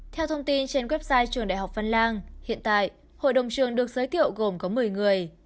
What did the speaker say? theo thông tin trên website trường đại học phân lang hiện tại hội đồng trường được giới thiệu gồm có một mươi người